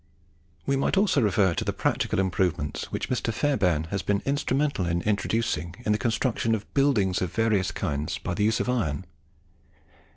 We might also refer to the practical improvements which Mr. Fairbairn has been instrumental in introducing in the construction of buildings of various kinds by the use of iron.